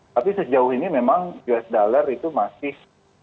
tapi sejauh ini memang us dollar itu masih